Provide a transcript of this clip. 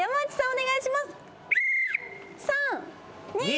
お願いします。